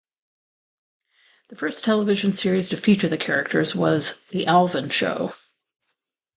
The first television series to feature the characters was "The Alvin Show".